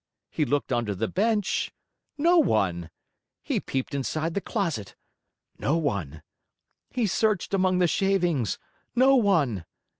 He looked under the bench no one! He peeped inside the closet no one! He searched among the shavings no one!